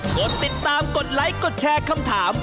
กดติดตามกดไลค์กดแชร์คำถาม